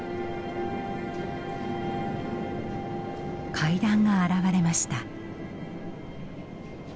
階段が現れました。